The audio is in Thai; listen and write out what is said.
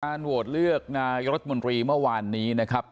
โหวตเลือกนายรัฐมนตรีเมื่อวานนี้นะครับ